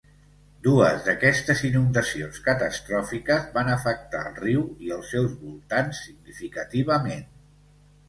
Dues d'aquestes inundacions catastròfiques van afectar el riu i els seus voltants significativament.